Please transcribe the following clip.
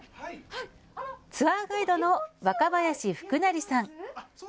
ツアーガイドの若林福成さん。